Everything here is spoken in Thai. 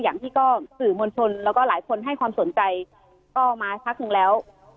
อย่างที่ก็สื่อมวลชนแล้วก็หลายคนให้ความสนใจก็มาสักหนึ่งแล้ว